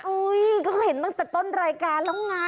ก็เห็นตั้งแต่ต้นรายการแล้วไง